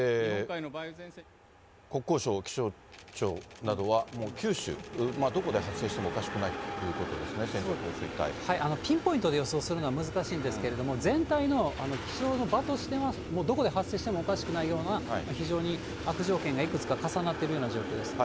国交省、気象庁などはもう九州、どこで発生してもおかしくないということですね、ピンポイントで予想するのは難しいんですけれども、全体の気象の場としてはどこで発生してもおかしくないような、非常に悪条件がいくつか重なっているような状況です。